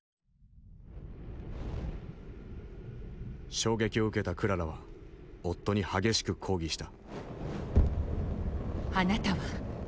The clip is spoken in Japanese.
衝撃を受けたクララは夫に激しく抗議した。